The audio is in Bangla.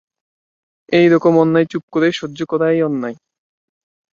এ-রকম অন্যায় চুপ করে সহ্য করাই অন্যায়।